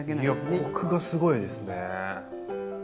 いやコクがすごいですね。